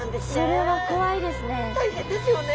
それは怖いですね。